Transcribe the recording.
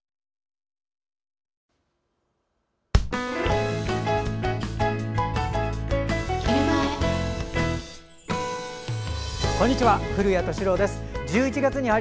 こんにちは。